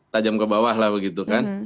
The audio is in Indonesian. tajam ke bawah lah begitu kan